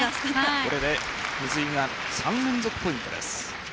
これで水井が３連続ポイントです。